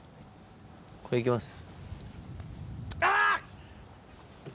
これいきます。